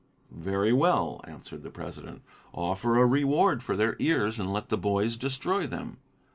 "Very well," answered the president. "Offer a reward for their ears and let the boys destroy them."